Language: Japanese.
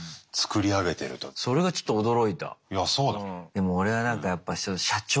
でも俺はなんかやっぱ社長。